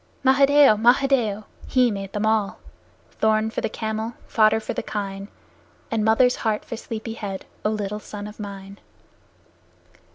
Mahadeo! Mahadeo! He made all Thorn for the camel, fodder for the kine, And mother's heart for sleepy head, O little son of mine!